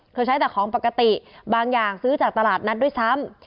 ใช้แต่ของปกติบางอย่างซื้อจากตลาดนัดด้วยซ้ำ